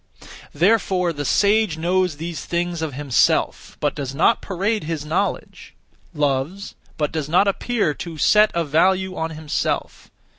Therefore the sage knows (these things) of himself, but does not parade (his knowledge); loves, but does not (appear to set a) value on, himself.